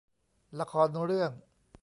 ละครเรื่อง